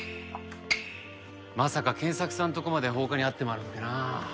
まさか賢作さんのとこまで放火に遭ってまうなんてなあ。